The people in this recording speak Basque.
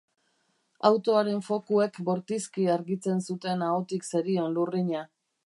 Autoaren fokuek bortizki argitzen zuten ahotik zerion lurrina.